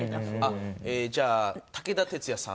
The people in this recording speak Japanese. あっえーじゃあ武田鉄矢さん。